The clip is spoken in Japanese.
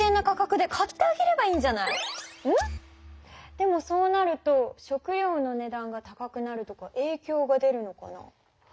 でもそうなると食料の値段が高くなるとかえいきょうが出るのかな？